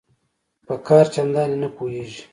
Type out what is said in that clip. په کار چنداني نه پوهیږي